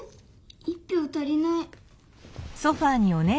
１ぴょう足りない。